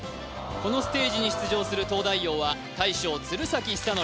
このステージに出場する東大王は大将・鶴崎修功